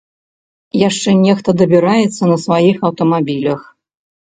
Яшчэ нехта дабіраецца на сваіх аўтамабілях.